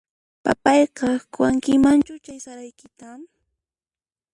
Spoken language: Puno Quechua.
Papayqaq quwankimanchu chay saraykita?